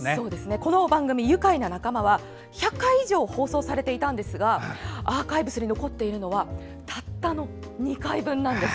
この「愉快な仲間」は１００回以上放送されていたんですがアーカイブスに残っているのはたったの２回分なんです。